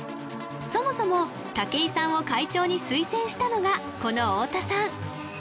そもそも武井さんを会長に推薦したのがこの太田さん